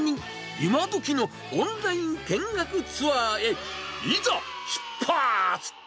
今どきのオンライン見学ツアーへ、いざ出発！